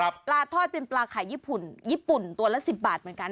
ปลาทอดเป็นปลาไข่ญี่ปุ่นญี่ปุ่นตัวละ๑๐บาทเหมือนกัน